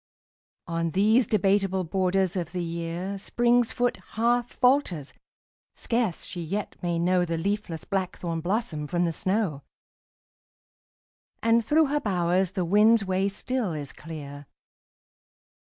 On these debateable* borders of the year Spring's foot half falters; scarce she yet may know The leafless blackthorn blossom from the snow; And through her bowers the wind's way still is clear.